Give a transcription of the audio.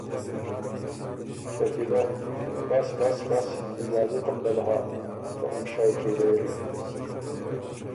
شکیلۀ: ”بس۔۔بس۔۔بس۔۔اجازته م دل هۀ که اُن شوق يې دېري۔